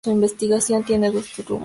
Su investigación tiene dos rumbos.